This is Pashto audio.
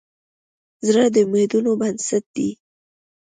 زړه د امیدونو بنسټ دی.